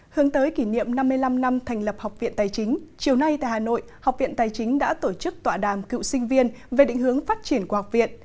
hướng tới kỷ niệm năm mươi năm năm thành lập học viện tài chính chiều nay tại hà nội học viện tài chính đã tổ chức tọa đàm cựu sinh viên về định hướng phát triển của học viện